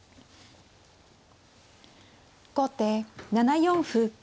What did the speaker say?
後手７四歩。